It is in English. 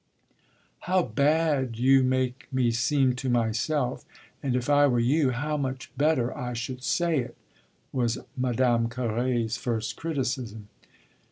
"How bad you make me seem to myself and if I were you how much better I should say it!" was Madame Carré's first criticism.